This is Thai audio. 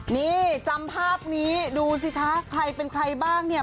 นี่จำภาพนี้ดูสิคะใครเป็นใครบ้างเนี่ย